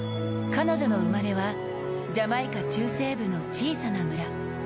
彼女の生まれは、ジャマイカ中西部の小さな村。